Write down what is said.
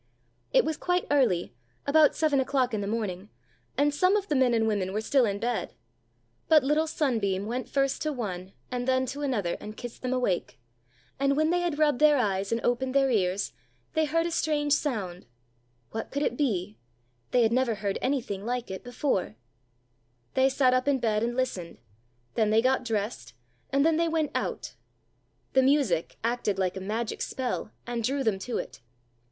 It was quite early, about seven o'clock in the morning, and some of the men and women were still in bed; but little sunbeam went first to one and then to another and kissed them awake, and when they had rubbed their eyes and opened their ears, they heard a strange sound. What could it be? They had never heard anything like it before. [Illustration: "If you come to yon hill at five o'clock to night, I'll tell you what I mean." Page 95.] They sat up in bed and listened, then they got dressed, and then they went out. The music acted like a magic spell, and drew them to it.